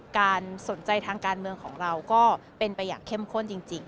การสนใจทางการเมืองของเราก็เป็นไปอย่างเข้มข้นจริง